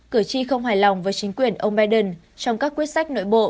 cử tri không hài lòng với chính quyền ông biden trong các quyết sách nội bộ